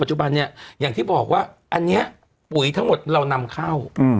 จุบันเนี่ยอย่างที่บอกว่าอันนี้ปุ๋ยทั้งหมดเรานำเข้า